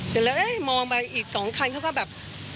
เสร็จแล้วเอ๊ะมองไปอีก๒คันเขาก็แบบ